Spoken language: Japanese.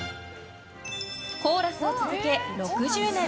コーラスを続け６０年！